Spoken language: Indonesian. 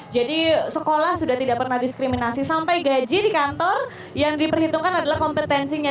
jadi sekolah sudah tidak pernah diskriminasi sampai gaji di kantor yang diperhitungkan adalah kompetensinya